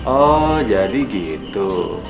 oh jadi gitu